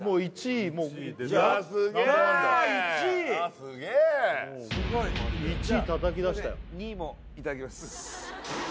２位もいただきます